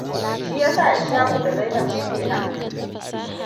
Shi ya sa Ishaku da Zainab suke nan.